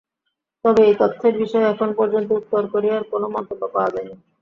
তবে এই তথ্যের বিষয়ে এখন পর্যন্ত উত্তর কোরিয়ার কোনো মন্তব্য পাওয়া যায়নি।